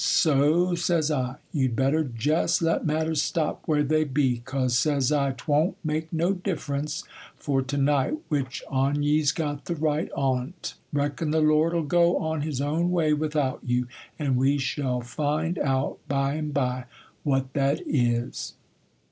So," says I, "you'd better jest let matters stop where they be; 'cause," says I, "'twon't make no difference, for to night, which on ye's got the right on't;—reckon the Lord'll go on his own way without you; and we shall find out, by'm by, what that is."